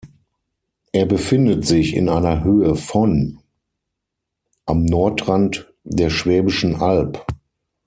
Er befindet sich in einer Höhe von am Nordrand der Schwäbischen Alb.